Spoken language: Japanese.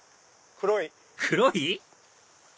黒い？